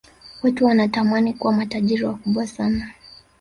watu wanatamani kuwa matajiri wakubwa sana